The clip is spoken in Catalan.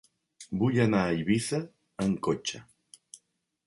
Vull anar a Eivissa amb cotxe.